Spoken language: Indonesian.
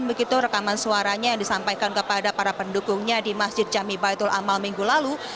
begitu rekaman suaranya yang disampaikan kepada para pendukungnya di masjid jami baitul amal minggu lalu